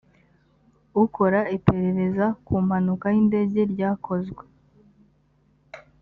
ukora iperereza ku mpanuka y’indege ryakozwe